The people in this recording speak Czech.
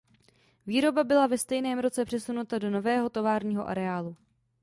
Výroba byla ve stejném roce přesunuta do nového továrního areálu.